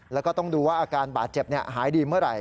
แล้วก็ต้องดูว่าอาการบาดเจ็บหายดีเมื่อไหร